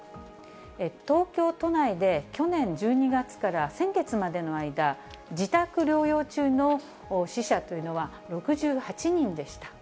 東京都内で去年１２月から先月までの間、自宅療養中の死者というのは、６８人でした。